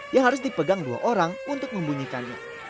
yang harus dipegang dua orang untuk membunyikannya